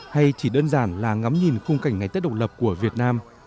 hay chỉ đơn giản là ngắm nhìn khung cảnh ngày tết độc lập của việt nam